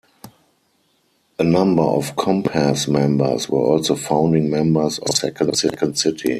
A number of Compass members were also founding members of The Second City.